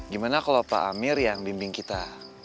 gimana kalau pak amir yang bimbing kita